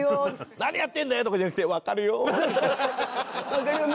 「何やってんだよ」とかじゃなくて「わかるよ」なんですね。